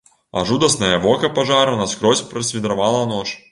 А жудаснае вока пажару наскрозь прасвідравала ноч.